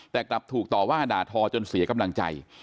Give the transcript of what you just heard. แต่กลับถูกต่อว่าด่าทอจนเสียกำลังใจ